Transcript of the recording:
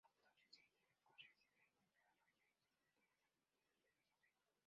Catorce científicos residentes de la Royal Institution han ganado el Premio Nobel.